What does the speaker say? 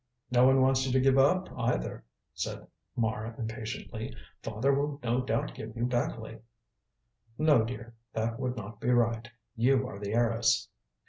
"No one wants you to give up either," said Mara impatiently. "Father will no doubt give you Beckleigh." "No, dear. That would not be right. You are the heiress."